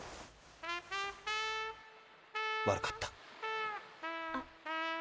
悪かった。